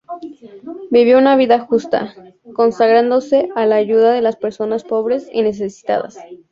Vivió una vida justa, consagrándose a la ayuda de las personas pobres y necesitadas.